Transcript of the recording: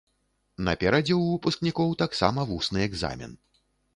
Наперадзе ў выпускнікоў таксама вусны экзамен.